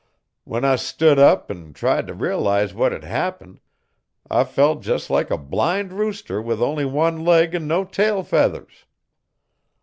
When I stud up an' tried t' realise what hed happened I felt jes' like a blind rooster with only one leg an' no tail feathers.'